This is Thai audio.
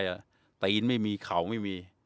เยอะไปตีนไม่มีเข่าไม่มี